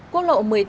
quốc lộ một mươi tám